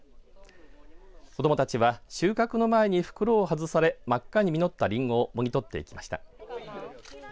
子どもたちは収穫の前に袋を外され真っ赤に実ったりんごをもぎ取っていきました。